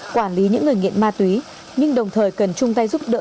quản lý những người nghiện ma túy nhưng đồng thời cần chung tay giúp đỡ